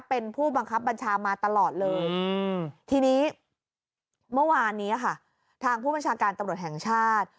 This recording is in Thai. เป็นผู้บังคับบัญชามาตลอดเลยทีนี้เมื่อวานนี้ค่ะทางผู้บัญชาการตำรวจแห่งชาติ